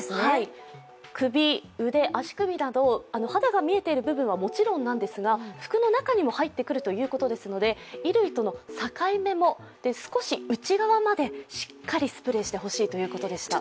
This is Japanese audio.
首、腕、足首など肌が見えている部分はもちろんのこと服の中にも入ってくるということですので衣類との境目も、そして少し内側までしっかりスプレーしてほしいということでした。